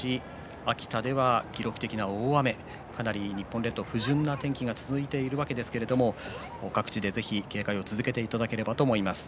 秋田では記録的な大雨かなり、日本列島は不順な天気が続いているわけですが各地で警戒を続けていただければと思います。